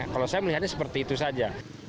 kalau saya melihatnya seperti itu saja